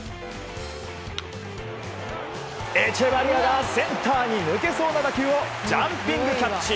エチェバリアがセンターに抜けそうな打球をジャンピングキャッチ！